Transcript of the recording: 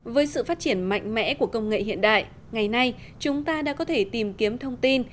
với sự phát triển mạnh mẽ của công nghệ hiện đại ngày nay chúng ta đã có thể tìm kiếm thông tin